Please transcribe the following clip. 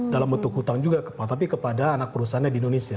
dalam bentuk hutang juga tapi kepada anak perusahaannya di indonesia